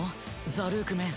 ザ・ルークメン。